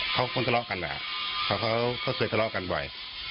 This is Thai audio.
เขาคงตะเลาะกันแหละเขาเคยตะเลาะกันบ่อย